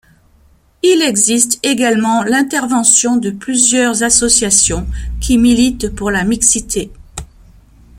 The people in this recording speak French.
Il existe également l'intervention de plusieurs associations qui militent pour la mixité.